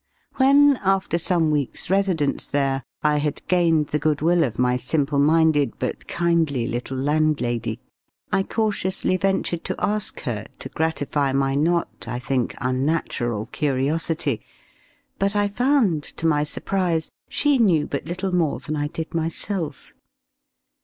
When, after some weeks' residence there, I had gained the good will of my simple minded but kindly little landlady, I cautiously ventured to ask her to gratify my not, I think, unnatural curiosity; but I found, to my surprise, she knew but little more than I did myself.